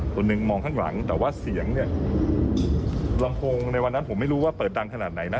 คนหนึ่งมองข้างหลังแต่ว่าเสียงเนี่ยลำโพงในวันนั้นผมไม่รู้ว่าเปิดดังขนาดไหนนะ